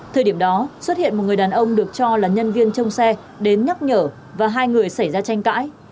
thời điểm đó xuất hiện một người đàn ông được cho là nhân viên trong xe đến nhắc nhở và hai người xảy ra tranh cãi